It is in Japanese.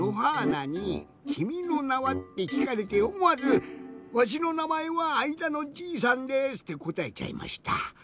なに「君の名は。」ってきかれておもわず「わしのなまえはあいだのじいさんです」ってこたえちゃいました。